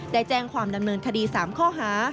ได้แจ้งความดำเนินคดี๓ข้อหา